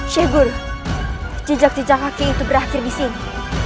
syekh guru jejak jejak kaki itu berakhir di sini